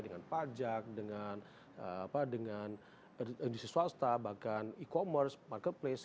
dengan biaya cukai dengan pajak dengan industri swasta bahkan e commerce marketplace